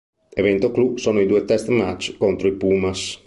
Evento clou sono i due test match contro i "Pumas".